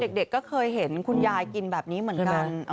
เด็กก็เคยเห็นคุณยายกินแบบนี้เหมือนกัน